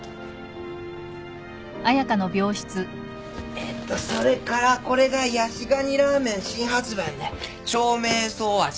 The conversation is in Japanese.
えっとそれからこれがヤシガニラーメン新発売のね長命草味。